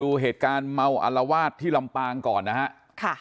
ดูเหตุการณ์เมาอลวาดที่ลำปางก่อนนะฮะค่ะ